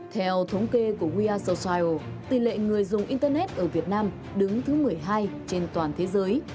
theo thống kê của we are social tỷ lệ người dùng internet ở việt nam đứng thứ một mươi hai trên toàn thế giới